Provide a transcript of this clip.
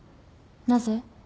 なぜ？